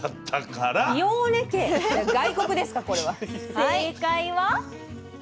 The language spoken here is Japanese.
正解は。